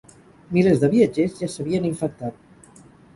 Milers de viatgers ja s’havien infectat.